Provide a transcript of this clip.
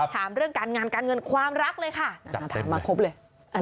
ถามเรื่องการงานการเงินความรักเลยค่ะอาจารย์ถามมาครบเลย